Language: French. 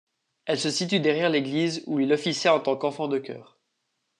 Elle se situe derrière l'église, où il officia en tant qu'enfant de chœur.